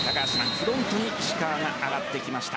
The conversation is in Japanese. フロントに石川が上がってきました。